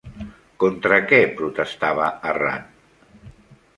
Contra què protestava Arran?